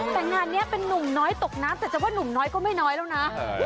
แต่งานนี้เป็นนุ่มน้อยตกน้ำแต่จะว่านุ่มน้อยก็ไม่น้อยแล้วนะ